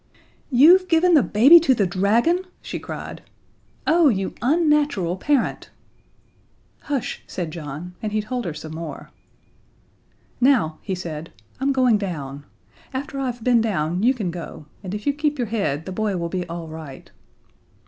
"You've given the baby to the dragon!" she cried. "Oh, you unnatural parent!" "Hush," said John, and he told her some more. "Now," he said, "I'm going down. After I've been down you can go, and if you keep your head the boy will be all right."